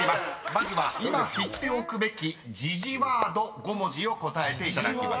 まずは今知っておくべき時事ワード５文字を答えていただきます。